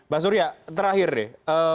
bang suri ya terakhir deh